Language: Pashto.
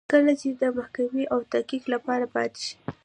کله چې د محاکمې او تحقیق لپاره پاتې شي.